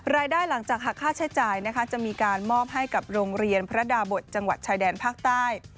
หลังจากหักค่าใช้จ่ายนะคะจะมีการมอบให้กับโรงเรียนพระดาบทจังหวัดชายแดนภาคใต้